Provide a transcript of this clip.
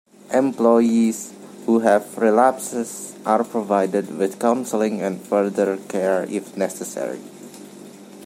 Employees who have relapses are provided with counselling and further care if necessary.